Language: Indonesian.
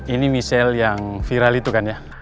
ini misal yang viral itu kan ya